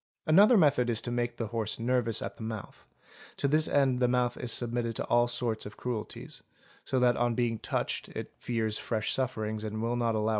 _ Another method is to make the horse nervous at the mouth; to this end | the mouth is submitted to all sorts of cruelties, so that on being touched it fears fresh sufferings and will not allow its teeth to be seen.